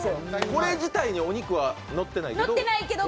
これ自体にお肉はのってないけど？